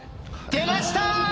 出ました！